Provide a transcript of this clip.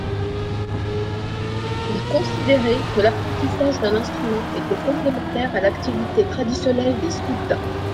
Il considérait que l'apprentissage d'un instrument était complémentaire à l'activité traditionnelle des scouts.